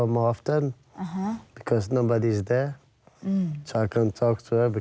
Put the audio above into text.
ไม่ใช่๓๐นาทีหรือ๕นาที